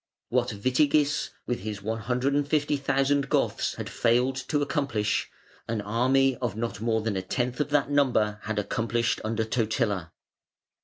What Witigis with his one hundred and fifty thousand Goths had failed to accomplish, an army of not more than a tenth of that number had accomplished under Totila.